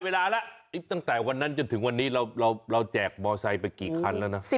เวลาแล้วตั้งแต่วันนั้นจนถึงวันนี้เราแจกมอไซค์ไปกี่คันแล้วนะ